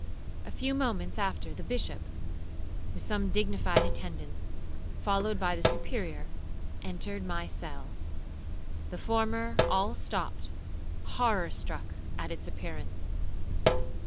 A few moments after the Bishop, with some dignified attendants, followed by the Superior, entered my cell. The former all stopped, horror struck at its appearance.